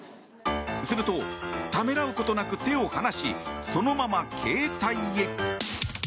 すると、ためらうことなく手を離し、そのまま携帯へ。